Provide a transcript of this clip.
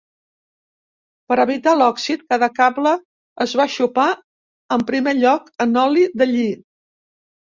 Per evitar l'òxid, cada cable es va xopar en primer lloc en oli de lli.